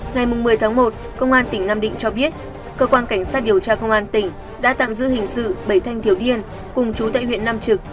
ngày một mươi tháng một công an tỉnh nam định cho biết cơ quan cảnh sát điều tra công an tỉnh đã tạm giữ hình sự bảy thanh thiếu niên cùng chú tại huyện nam trực